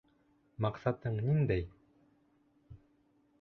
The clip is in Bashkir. Маҡсатың ниндәй?